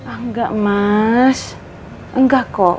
ah gak mas enggak kok